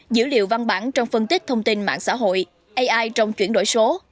dữ liệu văn bản trong phân tích thông tin mạng xã hội ai trong chuyển đổi số